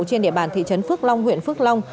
trên địa bàn thị trấn phước long huyện phước long